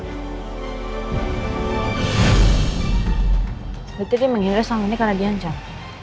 berarti dia menghiris sekarang ini karena di ancam